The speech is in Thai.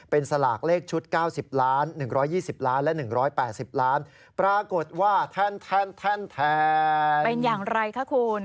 เป็นอย่างไรคะคุณ